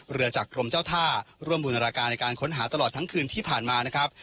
เรือจากกรมเจ้าท่าร่วมบูรณาการในการค้นหาตลอดทั้งคืนที่ผ่านมานะครับ